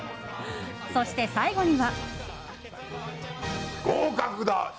そして最後には。